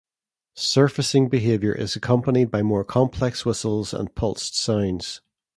Surfacing behavior is accompanied by more complex whistles and pulsed sounds.